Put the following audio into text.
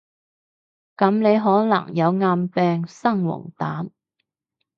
噉你可能有暗病生黃疸？